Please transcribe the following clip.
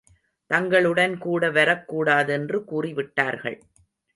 தங்களுடன் கூட வரக் கூடாதென்று கூறிவிட்டார்கள்.